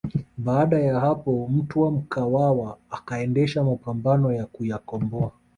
Baada ya hapo Mtwa Mkwawa akaendesha mapambano ya kuyakomboa